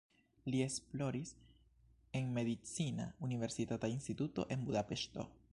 Li esploris en medicina universitata instituto en Budapeŝto.